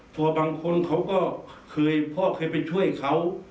พอบางคนเขาก็เคยพ่อเคยไปช่วยเขา